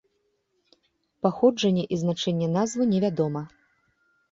Паходжанне і значэнне назвы невядома.